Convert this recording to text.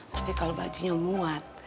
tapi kalau bajunya muat